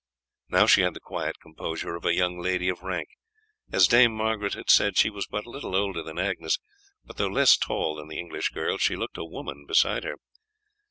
Now she had the quiet composure of a young lady of rank. As Dame Margaret had said, she was but little older than Agnes; but though less tall than the English girl, she looked a woman beside her.